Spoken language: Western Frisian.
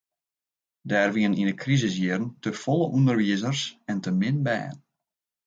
Der wienen yn de krisisjierren te folle ûnderwizers en te min bern.